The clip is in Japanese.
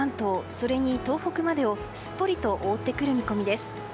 それに東北までをすっぽりと覆ってくる見込みです。